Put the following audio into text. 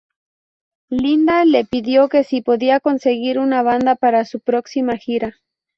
Linda le pidió que si podía conseguir una banda para su próxima gira.